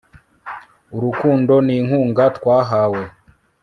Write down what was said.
urukundo n'inkunga twahawe